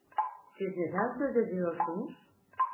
Siz neden söz ediyorsunuz?